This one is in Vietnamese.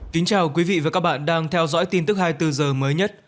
kính chào quý vị và các bạn đang theo dõi tin tức hai mươi bốn h mới nhất